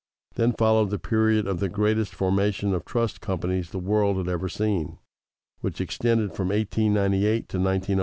Then followed the period of the greatest formation of trust companies the world has ever seen, which extended from 1898 to 1901, and ended in 1902.